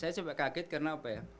saya coba kaget karena apa ya